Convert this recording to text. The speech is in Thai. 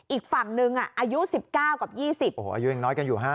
อีกฝั่งนึงอ่ะอายุสิบเก้ากับยี่สิบโอ้โหอายุยังน้อยกันอยู่ฮะ